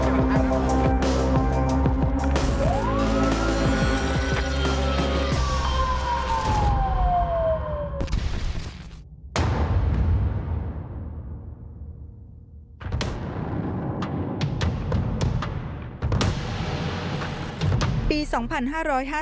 มันกลายเปลี่ยนมากกว่า